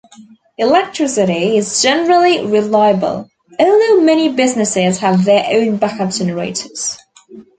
Electricity is generally reliable, although many businesses have their own backup generators.